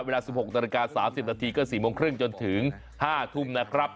เวลา๑๖นาฬิกา๓๐นาทีก็๔โมงครึ่งจนถึง๕ทุ่มนะครับ